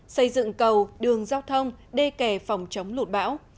xây dựng cầu đường giao thông đê kè phòng chống lụt bão